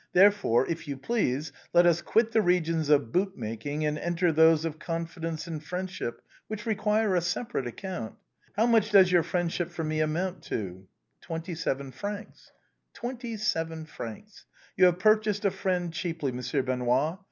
Therefore, if you please, let us quit the re gions of bootmaking and enter those of confidence and friendship which require a separate account. How much does your friendship for me amount to ?"" Twenty seven francs." " Twenty seven francs. You have purchased a friend cheaply. Monsieur Benoît.